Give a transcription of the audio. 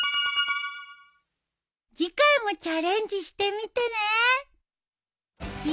次回もチャレンジしてみてね。